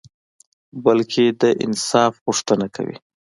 بلکي د انصاف غوښته کوي